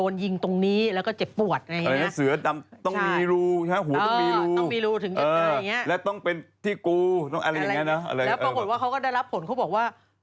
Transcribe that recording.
ลงแป๊บเดียวอยู่คนคลิกเร็ว